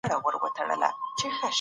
سپینې ډوډۍ ټیټه مغذي ارزښت لري.